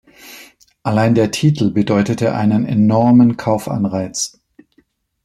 Allein der Titel bedeutete einen enormen Kaufanreiz.